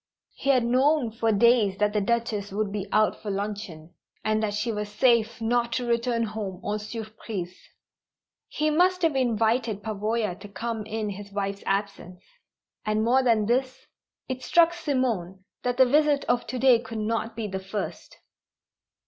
_" He had known for days that the Duchess would be out for luncheon, and that she was safe not to return home en surprise. He must have invited Pavoya to come in his wife's absence. And more than this, it struck Simone that the visit of to day could not be the first.